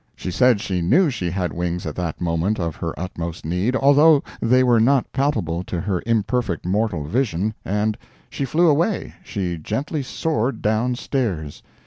She said she knew she had wings at that moment of her utmost need, although they were not palpable to her imperfect mortal vision, and she flew away—she gently soared downstairs.